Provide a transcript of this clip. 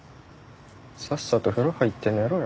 さっさと風呂入って寝ろよ。